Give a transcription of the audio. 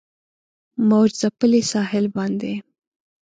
موج ځپلي ساحل باندې